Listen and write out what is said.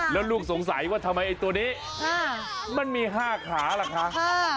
แล้วลูกสงสัยว่าทำไมไอ้ตัวนี้มันมี๕ขาล่ะคะ